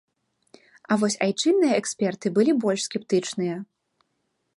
А вось айчынныя эксперты былі больш скептычныя.